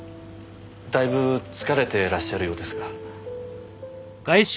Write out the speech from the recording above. だいぶ疲れてらっしゃるようですが。